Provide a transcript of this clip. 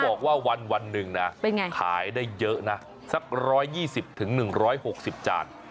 บอกว่าวันหนึ่งนะขายได้เยอะนะสัก๑๒๐๑๖๐จาน